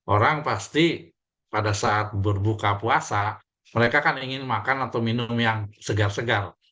orang pasti pada saat berbuka puasa mereka kan ingin makan atau minum yang segar segar